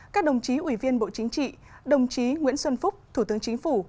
các đồng chí ủy viên bộ chính trị đồng chí nguyễn xuân phúc thủ tướng chính phủ